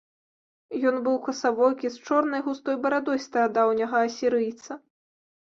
Ён быў касавокі, з чорнай густой барадой старадаўняга асірыйца.